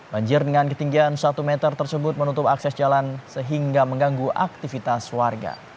banjir dengan ketinggian satu meter tersebut menutup akses jalan sehingga mengganggu aktivitas warga